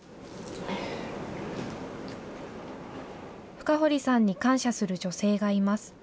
深堀さんに感謝する女性がいます。